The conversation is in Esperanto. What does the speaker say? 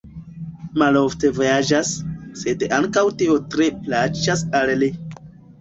Malofte vojaĝas, sed ankaŭ tio tre plaĉas al li.